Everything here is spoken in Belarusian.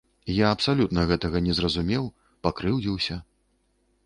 Я абсалютна гэтага не зразумеў, пакрыўдзіўся.